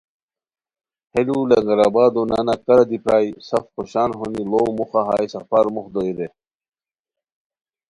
ہے لولنگر آبادو نانو کارہ دی پرائے سف خوشان ہونی ڑو موخہ ہائے سفر موخ دوئے رے